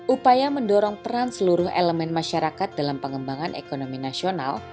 upaya mendorong peran seluruh elemen masyarakat dalam pengembangan ekonomi nasional